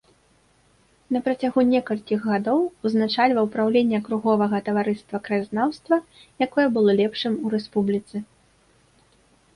На працягу некалькіх гадоў узначальваў праўленне акруговага таварыства краязнаўства, якое было лепшым у рэспубліцы.